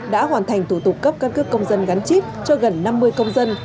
đã hoàn thành thủ tục cấp căn cước công dân gắn chip cho gần năm mươi công dân